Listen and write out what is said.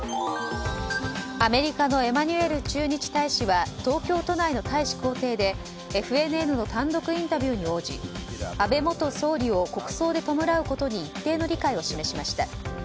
アメリカのエマニュエル駐日大使は東京都内の大使公邸でＦＮＮの単独インタビューに応じ安倍元総理を国葬で弔うことに一定の理解を示しました。